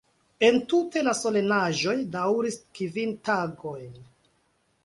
Entute la solenaĵoj daŭris kvin tagojn.